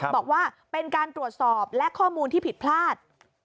บอกว่าเป็นการตรวจสอบและข้อมูลที่ผิดพลาด